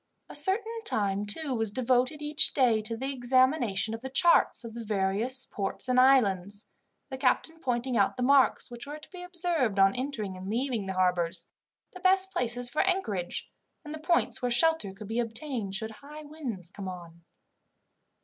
A certain time, too, was devoted each day to the examination of the charts of the various ports and islands, the captain pointing out the marks which were to be observed on entering and leaving the harbours, the best places for anchorage, and the points where shelter could be obtained should high winds come on.